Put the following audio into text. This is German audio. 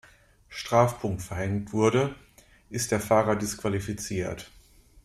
Strafpunkt verhängt wurde, ist der Fahrer disqualifiziert.